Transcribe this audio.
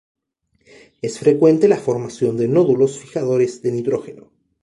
Es frecuente la formación de nódulos fijadores de nitrógeno.